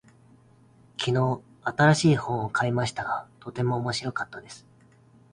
昨日、新しい本を買いましたが、とても面白かったです。